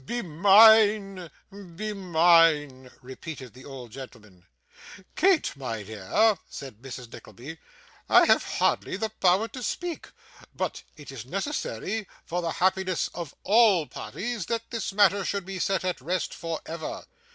'Be mine, be mine!' repeated the old gentleman. 'Kate, my dear,' said Mrs. Nickleby, 'I have hardly the power to speak; but it is necessary for the happiness of all parties that this matter should be set at rest for ever.